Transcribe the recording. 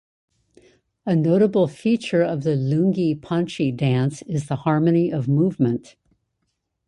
A notable feature of the Lungi Panchi dance is the harmony of movement.